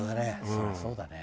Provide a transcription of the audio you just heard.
それはそうだね。